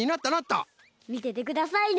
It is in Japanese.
みててくださいね！